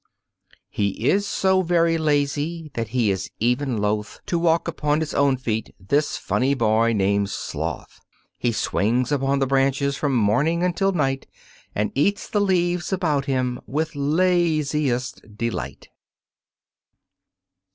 He is so very lazy that he is even loath To walk upon his own feet this funny boy named Sloth. He swings upon the branches from morning until night, And eats the leaves about him with laziest delight.